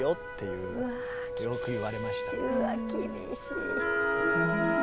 うわ厳しい。